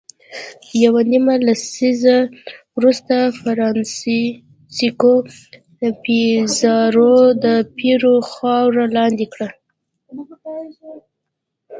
یوه نیمه لسیزه وروسته فرانسیسکو پیزارو د پیرو خاوره لاندې کړه.